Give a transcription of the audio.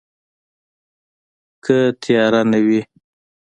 که تیاره نه وي